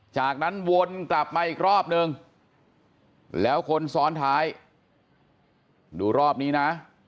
จากนั้นวนตอบมาอีกรอบหนึ่งแล้วคนสอนถ่ายดูรอบนี้น่ะ